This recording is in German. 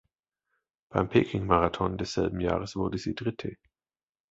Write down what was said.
Beim Peking-Marathon desselben Jahres wurde sie Dritte.